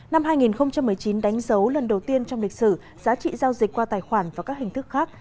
năm hai nghìn một mươi chín đánh dấu lần đầu tiên trong lịch sử giá trị giao dịch qua tài khoản và các hình thức khác